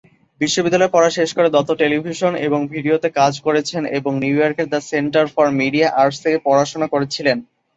বিশ্ববিদ্যালয়ের পড়া শেষ করে, দত্ত টেলিভিশন এবং ভিডিওতে কাজ করেছেন এবং নিউইয়র্কের the centre for media arts থেকে পড়াশোনা করেছিলেন।